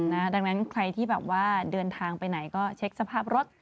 ดังนั้นใครที่แบบว่าเดินทางไปไหนก็เช็คสภาพรถ